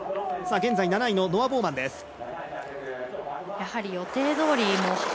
現在７位のノア・ボーマンです。